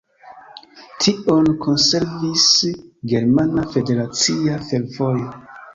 Tion konservis Germana Federacia Fervojo.